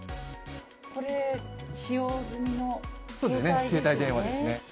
これ、使用済みの携帯ですね。